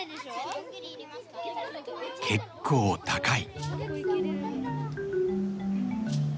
結構高い。